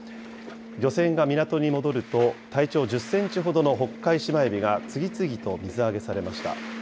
漁船が港に戻ると、体長１０センチほどのホッカイシマエビが次々と水揚げされました。